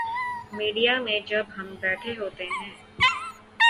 Media میں جب ہم بیٹھے ہوتے ہیں۔